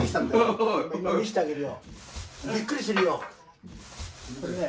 びっくりするよ。